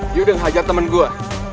dia udah ngehajar temen gue